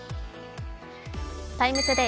「ＴＩＭＥ，ＴＯＤＡＹ」